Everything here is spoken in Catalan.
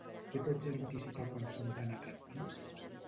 Què pots anticipar quan són tan atractius?